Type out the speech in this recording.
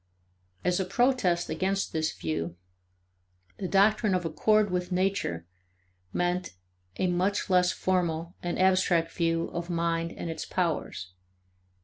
As a protest against this view, the doctrine of accord with nature meant a much less formal and abstract view of mind and its powers.